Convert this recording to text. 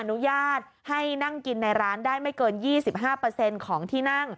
อนุญาตให้นั่งกินในร้านได้ไม่เกิน๒๕ของที่นั่ง